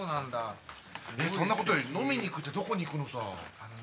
そんなことより飲みに行くってどこに行くのさ。